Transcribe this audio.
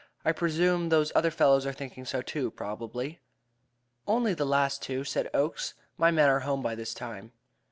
"I presume those other fellows are thinking so too, probably." "Only the last two," said Oakes; "my men are home by this time."